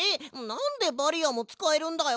なんでバリアーもつかえるんだよ！